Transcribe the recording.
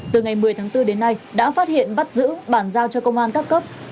từ ngày một mươi tháng bốn đến nay đã phát hiện bắt giữ bàn giao cho công an các cấp